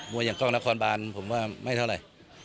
มวยังกล้องละครบานผมว่าไม่เท่าไร